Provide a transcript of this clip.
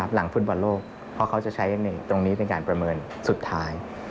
หลังฟุตบอลโลกเพราะเขาจะใช้ตรงนี้เป็นการประเมินสุดท้าย